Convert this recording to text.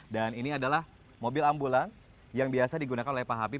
dan ini adalah mobil ambulans yang biasa digunakan oleh pak habib